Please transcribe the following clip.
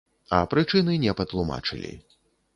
А прычыны не патлумачылі.